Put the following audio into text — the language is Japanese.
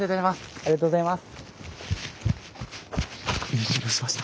ありがとうございます。